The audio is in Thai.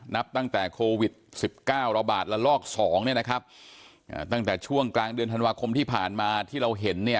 นับตั้งแต่โควิด๑๙ระบาดละลอกสองเนี่ยนะครับตั้งแต่ช่วงกลางเดือนธันวาคมที่ผ่านมาที่เราเห็นเนี่ย